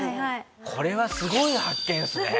これはすごい発見っすね。